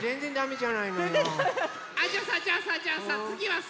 じゃあさじゃあさ